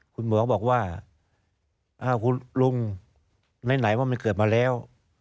คุณหมอบอกว่าคุณลุงไหนว่ามันเกิดมาแล้ว